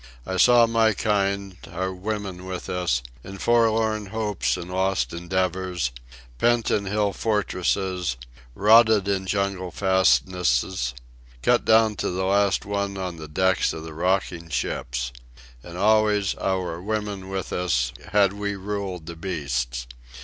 I saw my kind, our women with us, in forlorn hopes and lost endeavours, pent in hill fortresses, rotted in jungle fastnesses, cut down to the last one on the decks of rocking ships. And always, our women with us, had we ruled the beasts.